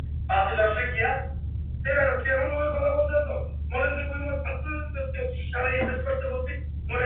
আলো প্রাথমিক বিদ্যালয়টি স্থানীয় বস্তিবাসী শিশুদের মধ্যে কিছুটা হলেও জ্ঞান ছড়াচ্ছে।